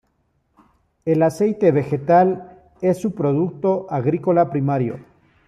El aceite vegetal es su producto agrícola primario.